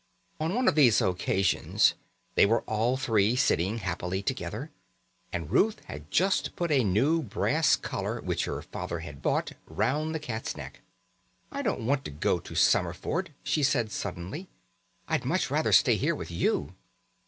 On one of these occasions they were all three sitting happily together, and Ruth had just put a new brass collar which her father had bought round the cat's neck. "I don't want to go to Summerford," she said suddenly. "I'd much rather stay here with you."